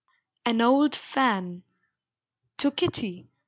AN OLD FAN. (TO KITTY.